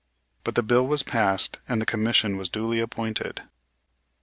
But the bill was passed and the commission was duly appointed.